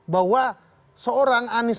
bahwa seorang anis